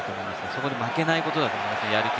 そこで負けないことだと思います。